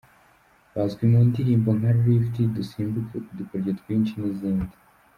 Bazwi mu ndirimbo nka Lift, Dusimbuke, Udukoryo twinshi n’izindi.